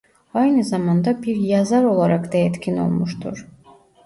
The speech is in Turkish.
Aynı zamanda bir yazar olarak da etkin olmuştur.